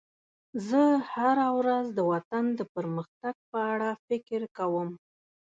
زه هره ورځ د وطن د پرمختګ په اړه فکر کوم.